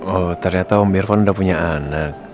oh ternyata om irfan udah punya anak